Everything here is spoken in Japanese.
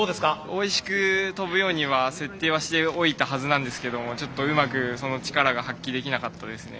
おいしく跳ぶようには設定はしておいたはずなんですけどもちょっとうまくその力が発揮できなかったですね。